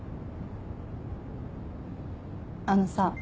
あのさ私。